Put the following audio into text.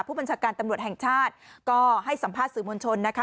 ผู้บัญชาการตำรวจแห่งชาติก็ให้สัมภาษณ์สื่อมวลชนนะคะ